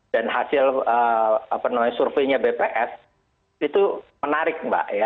dan hasil surveinya bps itu menarik mbak